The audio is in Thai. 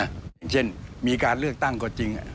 อย่างเช่นมีการเลือกตั้งก็จริง